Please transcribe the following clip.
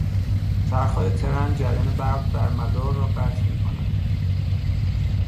چرخهای ترن جریان برق در مدار را قطع میکند.